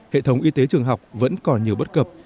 hệ thống y tế trường học vẫn còn nhiều bất cập